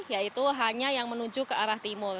yaitu hanya yang menuju ke arah timur